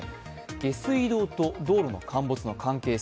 下水道と道路の陥没の関係性。